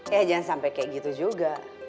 ya jangan sampai kayak gitu juga